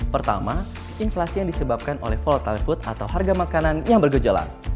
pertama inflasi yang disebabkan oleh fault of the food atau harga makanan yang bergejolak